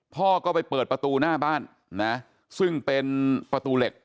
พ่อก็ไปเปิดประตูหน้าบ้านนะซึ่งเป็นประตูเหล็ก